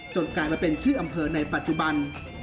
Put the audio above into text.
กลายมาเป็นชื่ออำเภอในปัจจุบัน